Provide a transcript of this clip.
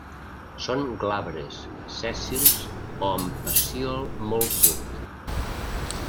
Són glabres, sèssils o amb pecíol molt curt.